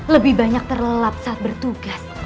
lebih banyak terlelap saat bertugas